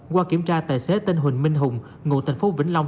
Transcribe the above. qua kiểm tra tài xế tên huỳnh minh hùng ngụ thành phố vĩnh long